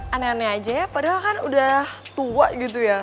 aneh aneh aja ya padahal kan udah tua gitu ya